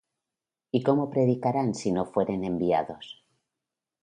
¿Y cómo predicarán si no fueren enviados?